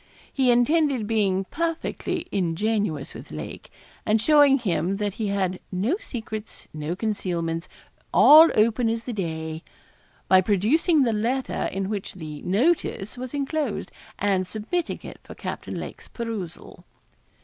He intended being perfectly ingenuous with Lake, and showing him that he had 'no secrets no concealments all open as the day' by producing the letter in which the 'notice' was enclosed, and submitting it for Captain Lake's perusal.